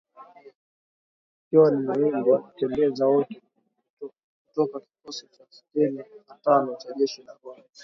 John Muhindi huwatembeza wote kutoka kikosi cha sitini na tano cha jeshi la Rwanda